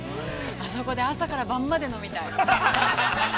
あそこで朝から晩まで飲みたい。